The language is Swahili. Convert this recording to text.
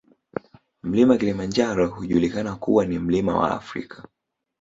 Mlima Kilimanjaro hujulikana kuwa kuwa ni mlima wa Afrika